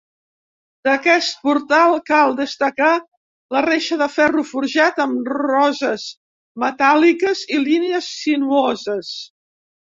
D'aquest portal cal destacar la reixa de ferro forjat amb roses metàl·liques i línies sinuoses.